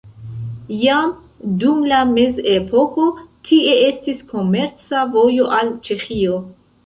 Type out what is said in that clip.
Jam dum la mezepoko tie estis komerca vojo al Ĉeĥio.